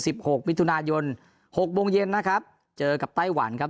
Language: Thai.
หกมิถุนายนหกโมงเย็นนะครับเจอกับไต้หวันครับ